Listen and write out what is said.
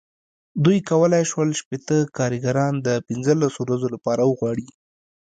دوی کولای شول شپېته کارګران د پنځلسو ورځو لپاره وغواړي.